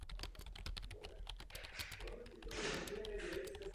Pokud ano, budu vám za to velmi vděčná, pane předsedající.